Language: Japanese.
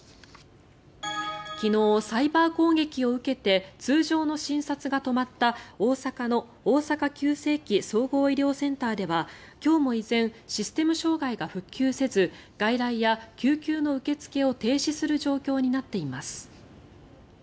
昨日、サイバー攻撃を受けて通常の診察が止まった大阪の大阪急性期・総合医療センターでは今日も依然システム障害が復旧せず外来や救急の受け付けを停止する状況になっています。